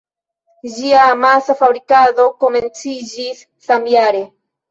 Ĝia amasa fabrikado komenciĝis samjare.